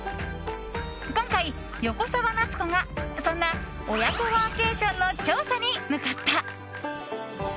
今回、横澤夏子がそんな親子ワーケーションの調査に向かった。